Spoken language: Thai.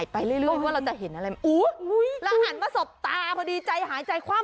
พี่หลังหน้าคุณ